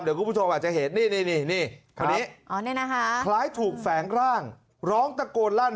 เดี๋ยวคุณผู้ชมอาจจะเห็นนี่คนนี้คล้ายถูกแฝงร่างร้องตะโกนลั่น